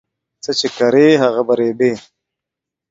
څه چې کرې هغه په رېبې